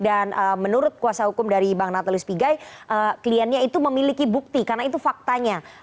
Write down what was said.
dan menurut kuasa hukum dari bang nathalys pigai kliennya itu memiliki bukti karena itu faktanya